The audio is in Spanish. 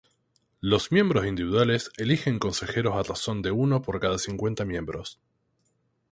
Los miembros individuales eligen consejeros a razón de uno por cada cincuenta miembros.